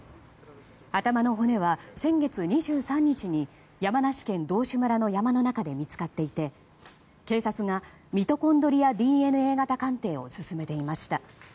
頭の骨は、先月２３日に山梨県道志村の山の中で見つかっていて警察がミトコンドリアＤＮＡ型鑑定を進めていました。